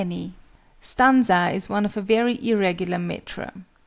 _ STANZA is one of a very irregular metre.